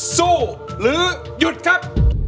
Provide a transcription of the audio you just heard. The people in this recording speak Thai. สู้ครับ